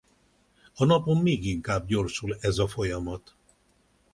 A napon még inkább gyorsul ez a folyamat.